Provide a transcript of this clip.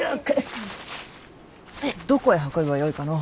どこへ運べばよいかの？